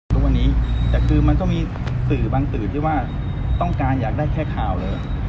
ทุกวันนี้แต่คือมันก็มีสื่อบางสื่อที่ว่าต้องการอยากได้แค่ข่าวเหรอ